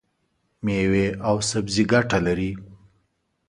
مېوې او سبزي ګټه لري.